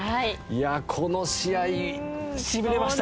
この試合しびれました！